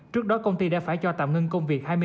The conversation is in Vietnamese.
trước đó công ty đã phải cho tạm ngừng công việc